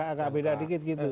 agak beda dikit gitu